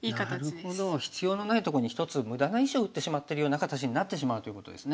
なるほど必要のないとこに１つ無駄な石を打ってしまってるような形になってしまうということですね。